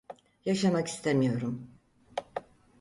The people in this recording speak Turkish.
Yaşamak istemiyorum.